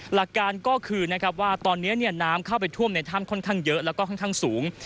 หลักการก็คือว่าตอนนี้น้ำเข้าไปท่วมในถ้ำค่อนข้างเยอะแล้วก็ค่อนข้างสูง